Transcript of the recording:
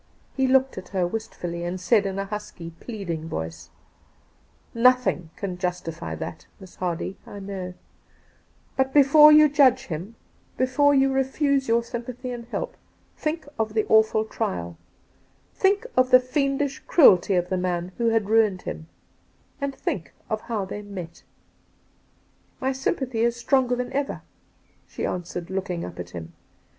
He looked at her wistfully, and said in a husky, pleading voice :',' Nothing can justify that, Miss Hardy, I know : but before you judge him, before you refuse your sympathy and help, think of the awful trial ; think of the fiendish cruelty of the man who had ruined him ; and think of how they met.' ' M y sympathy is stronger than ever,', she ans^wered, looking up at him.